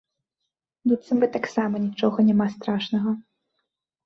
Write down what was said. Быццам бы таксама нічога няма страшнага.